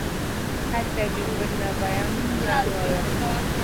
Hatna vi vunna vaya ŋaa ŋolo.